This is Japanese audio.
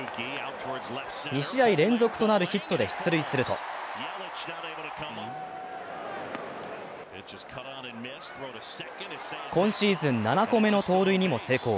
２試合連続となるヒットで出塁すると今シーズン７個目の盗塁にも成功。